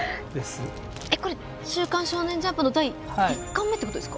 えっこれ「週刊少年ジャンプ」の第１巻目ってことですか？